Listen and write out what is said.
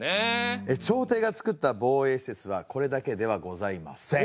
朝廷がつくった防衛施設はこれだけではございません。